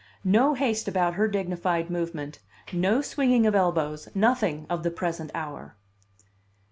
No haste about her dignified movement, no swinging of elbows, nothing of the present hour!